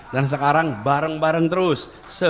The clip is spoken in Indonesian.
dan sekarang bareng bareng terus